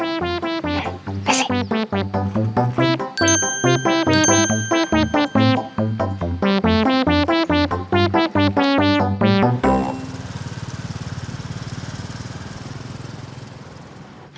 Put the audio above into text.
ไปสิ